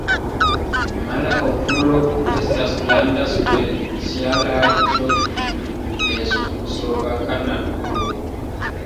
Mara okulo estas granda specialaĵo de slovaka naturo.